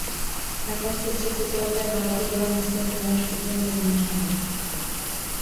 Na konci třicetileté války bylo město téměř úplné zničené.